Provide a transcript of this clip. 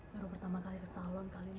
baru pertama kali kesalahan kali ini